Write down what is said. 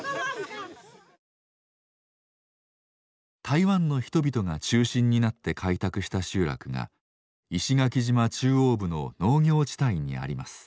台湾の人々が中心になって開拓した集落が石垣島中央部の農業地帯にあります。